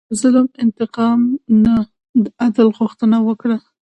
د ظلم انتقام نه، عدل غوښتنه وکړه.